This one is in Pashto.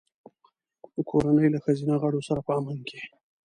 د کورنۍ له ښځینه غړو سره په امن کې.